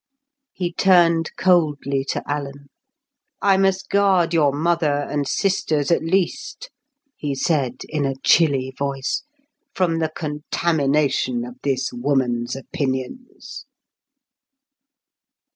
He turned coldly to Alan. "I must guard your mother and sisters at least," he said in a chilly voice, "from the contamination of this woman's opinions."